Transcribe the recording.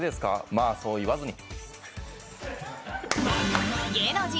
まぁ、そう言わずに。